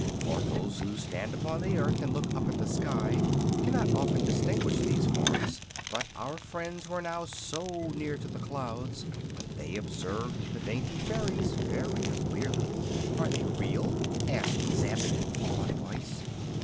Mortals who stand upon the earth and look up at the sky cannot often distinguish these forms, but our friends were now so near to the clouds that they observed the dainty fairies very clearly. "Are they real?" asked Zeb, in an awed voice.